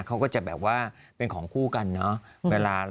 เขาก็จะแบบว่าเป็นของคู่กันเนอะ